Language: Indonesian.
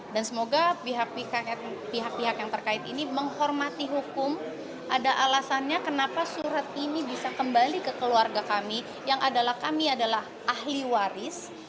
dan semoga pihak pihak yang terkait ini menghormati hukum ada alasannya kenapa surat ini bisa kembali ke keluarga kami yang adalah kami adalah ahli waris